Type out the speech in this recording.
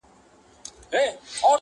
دوې کښتۍ مي وې نجات ته درلېږلي؛